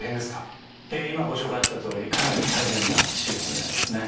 今ご紹介あったとおりかなり大変な手術になりますね。